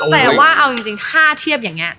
แต่ว่าเอาจริงถ้าเทียบอย่างนี้